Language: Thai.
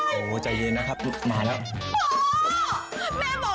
โอ้โหใจเย็นนะครับมาแล้ว